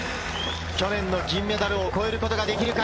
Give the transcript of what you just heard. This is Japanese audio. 去年の銀メダルを超えることができるか？